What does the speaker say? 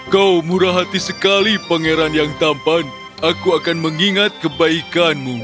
kau murah hati sekali pangeran yang tampan aku akan mengingat kebaikanmu